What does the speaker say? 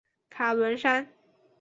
卡伦山。